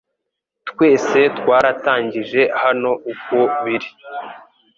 Twese twarangije hano uko biri